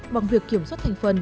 bằng việc kiểm soát thành phần